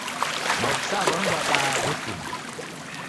Maofisaa w'amu w'abaa w'efungwa.